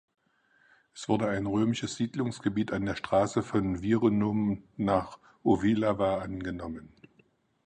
Es wurde ein römisches Siedlungsgebiet an der Straße von Virunum nach Ovilava angenommen.